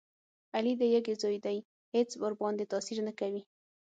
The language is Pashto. علي د یږې زوی دی هېڅ ورباندې تاثیر نه کوي.